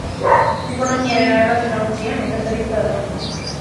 Ekonomiaren ardatz nagusia nekazaritza da.